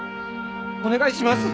お願いします。